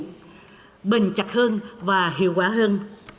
chúng ta sẽ đặt tầm nhìn chặt hơn và hiệu quả hơn